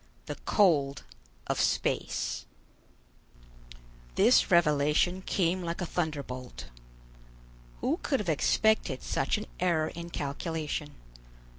THE COLD OF SPACE This revelation came like a thunderbolt. Who could have expected such an error in calculation?